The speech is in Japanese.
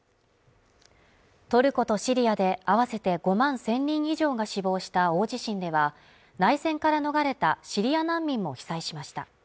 トルコとシリアで合わせて５万１０００人以上が死亡した大地震では内戦から逃れたシリア難民も被災しました。